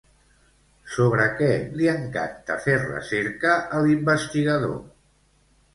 Sobre què li encanta fer recerca a l'investigador?